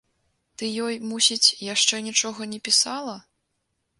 Ты ёй, мусіць, яшчэ нічога не пісала?